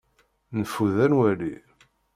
Neffud ad nwali.